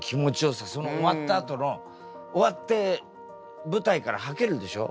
その終わったあとの終わって舞台からはけるでしょ？